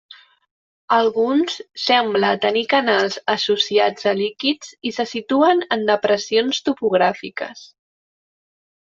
Alguns semblen tenir canals associats a líquids i se situen en depressions topogràfiques.